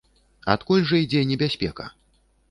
Адкуль жа ідзе небяспека?